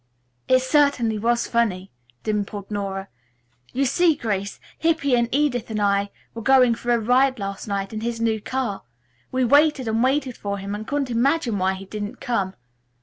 "It certainly was funny," dimpled Nora. "You see, Grace, Hippy and Edith and I were going for a ride, last night, in his new car. We waited and waited for him and couldn't imagine why he didn't come.